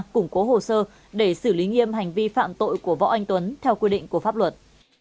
củng cố hồ sơ để xử lý nghiêm hành vi phạm tội của võ anh tuấn theo quy định của pháp luật